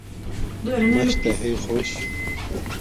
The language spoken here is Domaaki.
مَشتݳ ہݵئ خݸش.